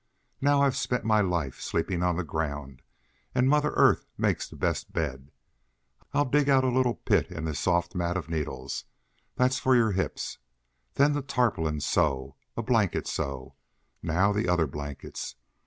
"Now I've spent my life sleeping on the ground, and mother earth makes the best bed. I'll dig out a little pit in this soft mat of needles; that's for your hips. Then the tarpaulin so; a blanket so. Now the other blankets.